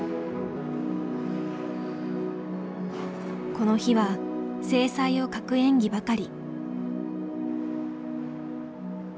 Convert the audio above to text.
この日は精彩を欠く演技ばかり。